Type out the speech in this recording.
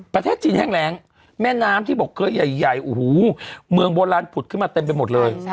ประเทศจีนแห้งแรงแม่น้ำที่บอกเคยใหญ่โอ้โหเมืองโบราณผุดขึ้นมาเต็มไปหมดเลย